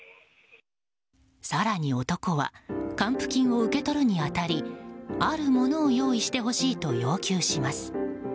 更に男は還付金を受け取るに当たりあるものを用意してほしいと要求します。